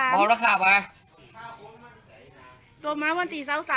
หรือมารม้าดัวนตัว